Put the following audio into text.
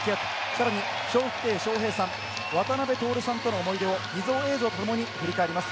さらに笑福亭笑瓶さん、渡辺徹さんとの思い出を秘蔵映像とともに振り返ります。